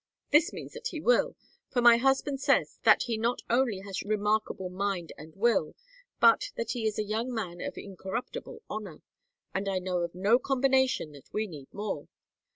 This means that he will, for my husband says that he not only has remarkable mind and will, but that he is a young man of incorruptible honor and I know of no combination that we need more.